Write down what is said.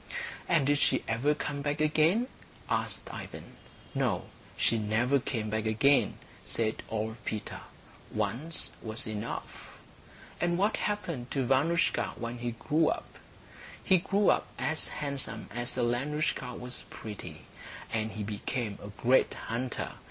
"And did she ever come back again?" asked Ivan. "No, she never came back again," said old Peter. "Once was enough." "And what happened to Vanoushka when he grew up?" "He grew up as handsome as Alenoushka was pretty. And he became a great hunter.